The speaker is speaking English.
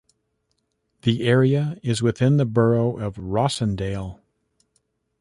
The area is within the Borough of Rossendale.